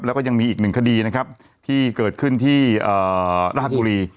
แล้วก็ยังมีอีกหนึ่งคดีนะครับที่เกิดขึ้นที่ราชบุรี